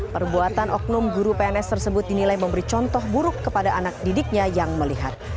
perbuatan oknum guru pns tersebut dinilai memberi contoh buruk kepada anak didiknya yang melihat